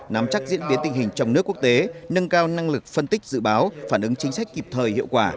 nắm chắc diễn biến tình hình trong nước quốc tế nâng cao năng lực phân tích dự báo phản ứng chính sách kịp thời hiệu quả